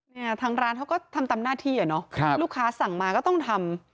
เนี่ยทางร้านเขาก็ทำตามหน้าที่อ่ะเนาะลูกค้าสั่งมาก็ต้องทำ